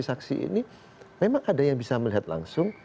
saksi ini memang ada yang bisa melihat langsung